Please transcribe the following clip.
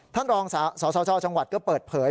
ท่านรองสสจจังหวัดก็เปิดเผย